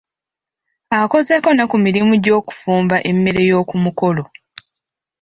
Akozeeko ne ku mirimu gy'okufumba emmere ey'oku mikolo